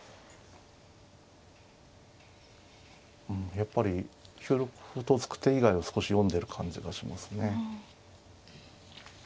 やっぱり９六歩と突く手以外は少し読んでる感じがしますね。